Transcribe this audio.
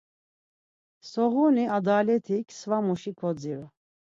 Soğuni adaletik sva muşi ko dziru.